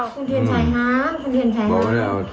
คุณเทียนชัยฮ้า